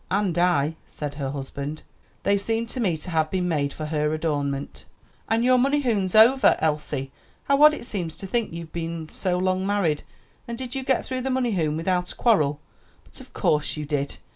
"And I," said her husband, "they seem to me to have been made for her adornment." "And your money hoon's over, Elsie; how odd it seems to think you've been so long married. And did you get through the money hoon without a quarrel? But of course you did."